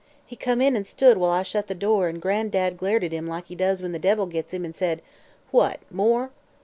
He come in an' stood while I shut the door, an' Gran'dad glared at him like he does when the devils gits him, and said: 'What more?'